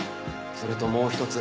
それともう１つ。